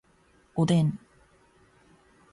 おでん